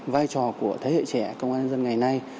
vai trò của thế hệ trẻ công an dân ngày nay